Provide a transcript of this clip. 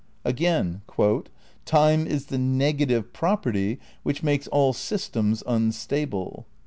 Again, "time is the negative property which makes all systems im stable."